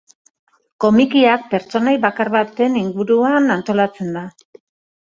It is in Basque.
Komikiak pertsonai bakar baten inguruan antolatzen da.